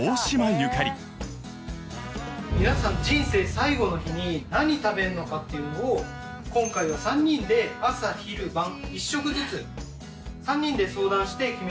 皆さん人生最後の日に何食べるのかっていうのを今回は３人で朝昼晩１食ずつ３人で相談して決めてほしいなと。